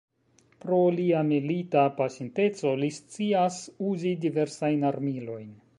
Pro lia milita pasinteco, li scias uzi diversajn armilojn.